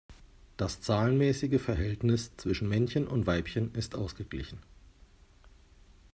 Das zahlenmäßige Verhältnis zwischen Männchen und Weibchen ist ausgeglichen.